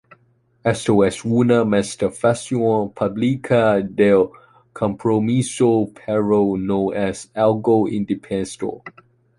Esto es una manifestación pública del compromiso pero no es algo indispensable.